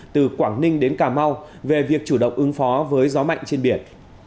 từ quảng ninh đến cà mau về việc chủ động ứng phó với gió mạnh trên biển